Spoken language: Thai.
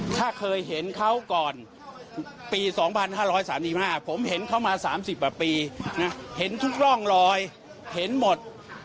ถ้าเคยเห็นเขาก่อนปี๒๕๓๕ผมเห็นเขามา๓๐กว่าปีนะเห็นทุกร่องรอยเห็นหมด